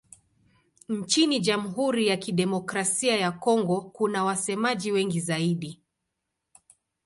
Nchini Jamhuri ya Kidemokrasia ya Kongo kuna wasemaji wengi zaidi.